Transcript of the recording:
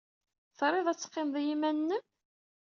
Triḍ ad teqqimeḍ i yiman-nnem?